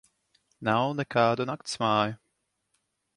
Nav nekādu naktsmāju.